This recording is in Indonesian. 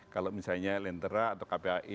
kalau misalnya lentera atau kpai